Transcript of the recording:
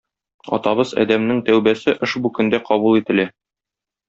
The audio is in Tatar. Атабыз Адәмнең тәүбәсе ошбу көндә кабул ителә.